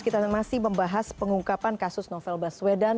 kita masih membahas pengungkapan kasus novel baswedan